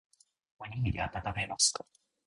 おにぎりあたためますか。